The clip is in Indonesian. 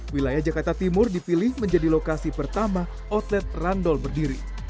wilayah jakarta timur dipilih menjadi lokasi pertama outlet randol berdiri